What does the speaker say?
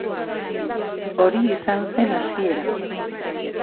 Hori izan zen hasiera.